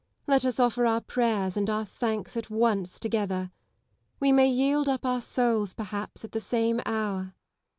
Let us offer our prayers and our thanks at once together ! We may yield up our souls, perhaps, at the same hour. Lady Lisle.